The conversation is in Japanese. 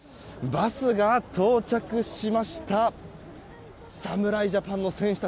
バスが到着しました。